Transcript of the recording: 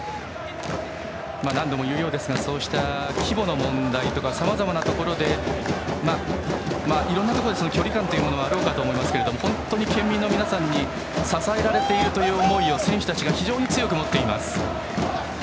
何度も言うようですがそうした規模の問題とかさまざまなところで距離感というものがあろうかと思いますけど本当に県民の皆さんに支えられているという思いを選手たちが非常に強く持っています。